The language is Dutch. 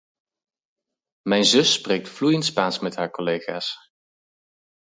Mijn zus spreekt vloeiend Spaans met haar collega’s.